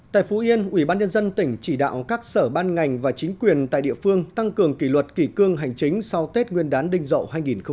tại phú yên ubnd tỉnh chỉ đạo các sở ban ngành và chính quyền tại địa phương tăng cường kỷ luật kỷ cương hành chính sau tết nguyên đán đinh dậu hai nghìn một mươi bảy